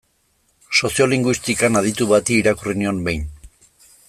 Soziolinguistikan aditu bati irakurri nion behin.